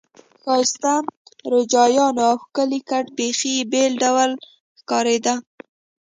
ښایسته روجایانو او ښکلي کټ بیخي بېل ډول ښکارېد.